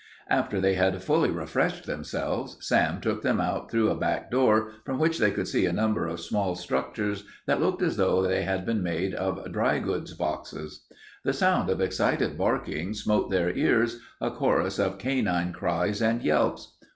After they had fully refreshed themselves, Sam took them out through a back door, from which they could see a number of small structures that looked as though they had been made out of dry goods boxes. The sound of excited barking smote their ears, a chorus of canine cries and yelps.